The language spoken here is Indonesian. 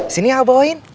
sini ah bawain